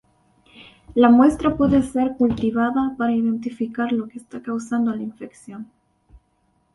La muestra puede ser cultivada para identificar lo que está causando la infección.